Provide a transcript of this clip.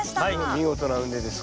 見事な畝です